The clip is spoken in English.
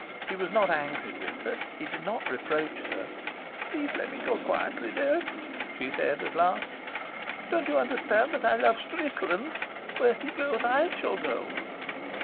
He was not angry with her. He did not reproach her. "Please let me go quietly, Dirk," she said at last. "Don't you understand that I love Strickland? Where he goes I shall go."